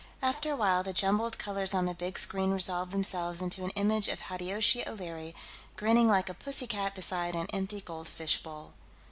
After a while, the jumbled colors on the big screen resolved themselves into an image of Hideyoshi O'Leary, grinning like a pussy cat beside an empty goldfish bowl.